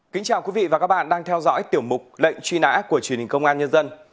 kính chào quý vị và các bạn đang theo dõi tiểu mục lệnh truy nã của truyền hình công an nhân dân